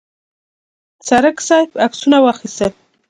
څرک صاحب عکسونه واخیستل.